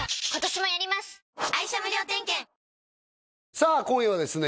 さあ今夜はですね